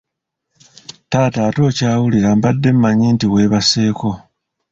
Taata ate okyawulira, mbadde mmanyi nti weebaseeko.